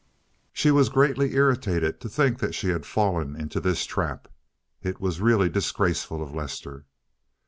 She was greatly irritated to think that she had fallen into this trap; it was really disgraceful of Lester.